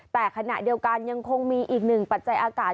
แต่ขณะเดียวกันยังคงมีอีกหนึ่งปัจจัยอากาศ